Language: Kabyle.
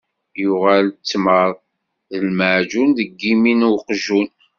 Yuɣal ttmeṛ d lmeɛǧun deg imi n uqjun.